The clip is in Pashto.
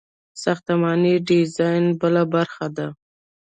ساختماني ډیزاین بله برخه ده.